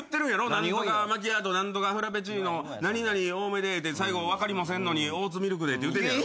何とかマキアート何とかフラペチーノ何々多めで言うて最後分かりもせんのにオーツミルクでって言うてんのやろ。